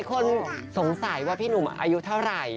คนสงสัยว่าพี่หนุ่มอายุเท่าไหร่